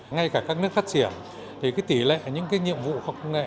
ngay cả các nước phát triển thì tỷ lệ những nhiệm vụ hoặc công nghệ